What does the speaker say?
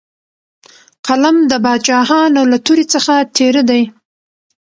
قلم د باچاهانو له تورې څخه تېره دی.